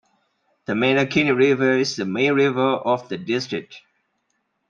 The Mandakini River is the main river of the district.